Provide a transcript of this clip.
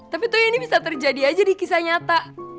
tapi tuh ini bisa terjadi aja di kisah nyata